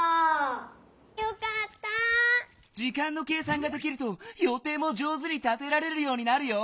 時間の計算ができるとよていも上手に立てられるようになるよ。